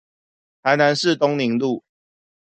台南市東寧路